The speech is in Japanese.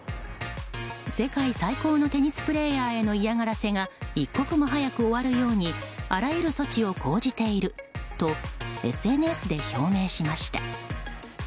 世界最高のテニスプレーヤーへの嫌がらせが一刻も早く終わるようにあらゆる措置を講じているとＳＮＳで表明しました。